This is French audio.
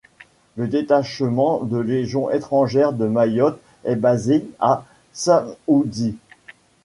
Le Détachement de Légion étrangère de Mayotte est basé à Dzaoudzi.